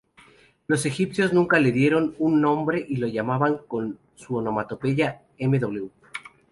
Los egipcios nunca le dieron un nombre y lo llamaban con su onomatopeya: "Mw".